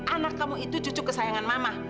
anak kamu itu cucu kesayangan mama